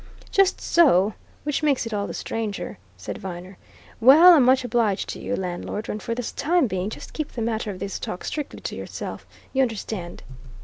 "Just so which makes it all the stranger," said Viner. "Well, I'm much obliged to you, landlord and for the time being, just keep the matter of this talk strictly to yourself. You understand?"